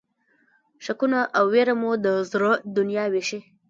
شکونه او وېره مو د زړه دنیا وېشي.